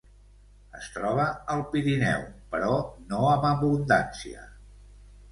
Es troba al Pirineu, però no amb abundància.